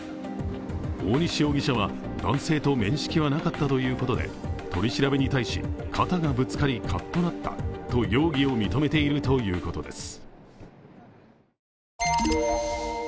大西容疑者は、男性と面識はなかったということで取り調べに対し、肩がぶつかりカッとなったと容疑を認めているということです。